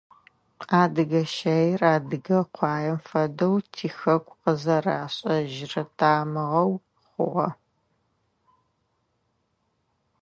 Адыгэ щаир адыгэ къуаем фэдэу тихэку къызэрашӏэжьрэ тамыгъэу хъугъэ.